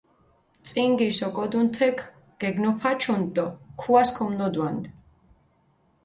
წინგის ოკოდუნ თექ გეგნოფაჩუნდჷ დო ქუას ქუმნოდვანდჷ.